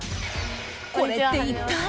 これって一体。